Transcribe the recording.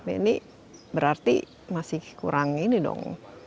ini berarti masih kurang ini dong